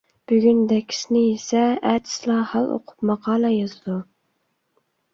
بۈگۈن دەككىسىنى يىسە، ئەتىسىلا ھال ئوقۇپ ماقالە يازىدۇ.